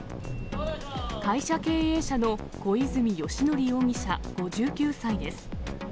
会社経営者の小泉喜徳容疑者５９歳です。